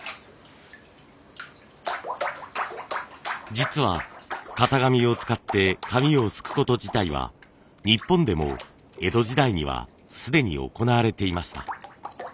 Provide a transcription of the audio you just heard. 実は型紙を使って紙をすくこと自体は日本でも江戸時代にはすでに行われていました。